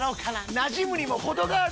なじむにもほどがある！